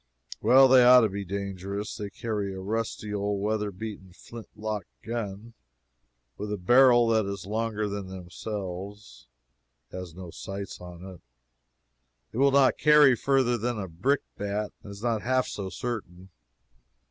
Well, they ought to be dangerous. They carry a rusty old weather beaten flint lock gun, with a barrel that is longer than themselves; it has no sights on it, it will not carry farther than a brickbat, and is not half so certain.